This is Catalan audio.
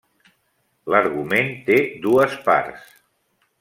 L’argument té dues parts.